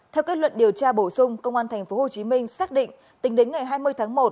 theo kết luận điều tra bổ sung công an tp hcm xác định tính đến ngày hai mươi tháng một